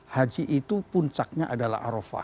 haji itu puncaknya adalah arofah